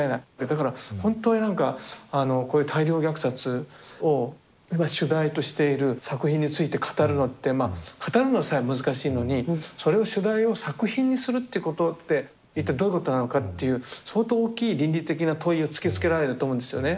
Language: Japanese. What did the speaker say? だから本当に何かこういう大量虐殺を主題としている作品について語るのってまあ語るのさえ難しいのにそれを主題を作品にするっていうことって一体どういうことなのかっていう相当大きい倫理的な問いを突きつけられると思うんですよね。